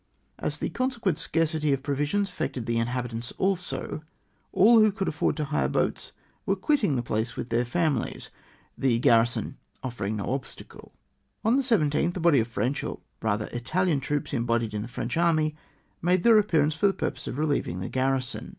As the consequent scarcity of provisions affected the inhabitants also, all who could afford to hire boats were quitting the place with thek famihes ; tlie crarrison offerino; no obstacle. On the 17th, a body of French — or rather Itahan troops embodied in the French army — made their appearance for the purpose of reheving the garrison.